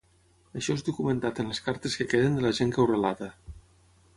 Això és documentat en les cartes que queden de la gent que ho relata.